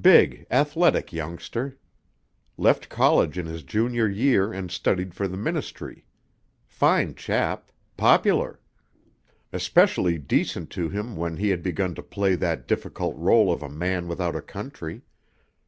Big, athletic youngster; left college in his junior year and studied for the ministry. Fine chap. Popular. Especially decent to him when he had begun to play that difficult role of a man without a country.